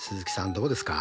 どうですか？